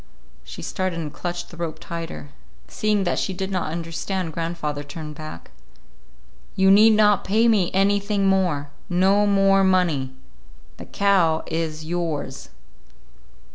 She started and clutched the rope tighter. Seeing that she did not understand, grandfather turned back. "You need not pay me anything more; no more money. The cow is yours."